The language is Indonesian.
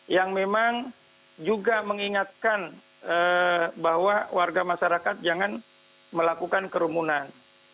yang memang juga mengingatkan bahwa warga masyarakat jangan melakukan kerumunan